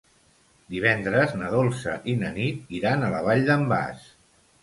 Divendres na Dolça i na Nit iran a la Vall d'en Bas.